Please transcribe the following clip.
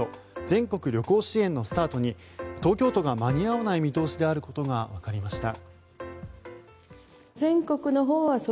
全国旅行支援のスタートに東京都が間に合わない見通しであることがわかりました。